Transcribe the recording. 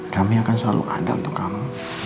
kami akan selalu ada untuk kamu